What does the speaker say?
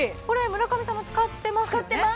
これ村上さんも使ってますよね？